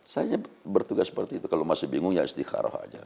saya bertugas seperti itu kalau masih bingung ya istiqarah aja